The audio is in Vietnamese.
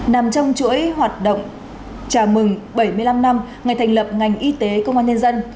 nằm trong chuỗi hoạt động chào mừng bảy mươi năm năm ngày thành lập ngành y tế công an nhân dân